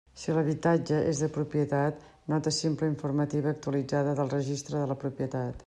Si l'habitatge és de propietat: nota simple informativa actualitzada del Registre de la Propietat.